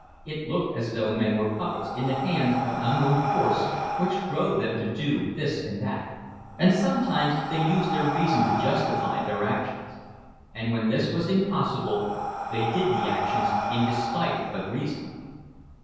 It looked as though men were puppets in the hands of an unknown force, which drove them to do this and that; and sometimes they used their reason to justify their actions; and when this was impossible they did the actions in despite of reason.